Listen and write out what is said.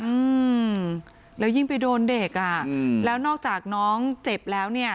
อืมแล้วยิ่งไปโดนเด็กอ่ะอืมแล้วนอกจากน้องเจ็บแล้วเนี่ย